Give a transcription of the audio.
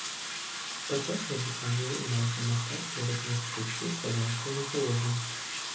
Падчас навучання займаўся мастацкай рэканструкцыяй славянскай міфалогіі.